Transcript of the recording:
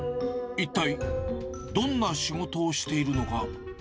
一体、どんな仕事をしているのか。